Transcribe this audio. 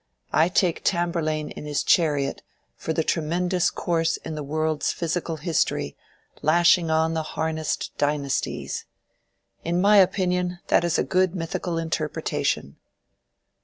I take Tamburlaine in his chariot for the tremendous course of the world's physical history lashing on the harnessed dynasties. In my opinion, that is a good mythical interpretation."